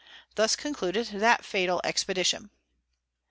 Thus concluded that fatal Expedition.